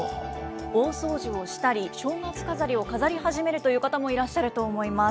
大掃除をしたり、正月飾りを飾り始めるという方もいらっしゃると思います。